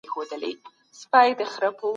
که زده کړه انعطاف ولري، زده کوونکي ستړي نه کېږي.